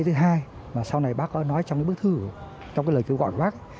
thứ hai mà sau này bác có nói trong cái bức thư trong cái lời kêu gọi của bác